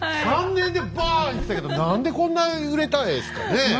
３年でバーッいってたけど何でこんな売れたんですかね？